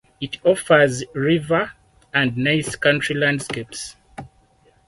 It offers river and nice country landscapes.